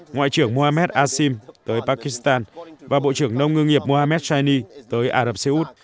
ngoại trưởng mohammed asim tới pakistan và bộ trưởng nông ngương nghiệp mohammed chani tới ả rập xê út